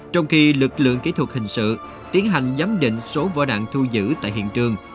trong khi lực lượng kỹ thuật hình sự tiến hành giám định số vỏ đạn thu giữ tại hiện trường